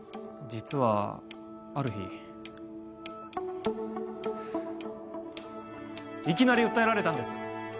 実はある日いきなり訴えられたんです